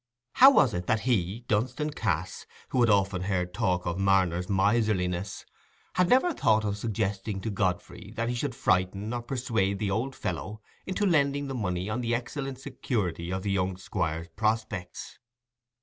How was it that he, Dunstan Cass, who had often heard talk of Marner's miserliness, had never thought of suggesting to Godfrey that he should frighten or persuade the old fellow into lending the money on the excellent security of the young Squire's prospects?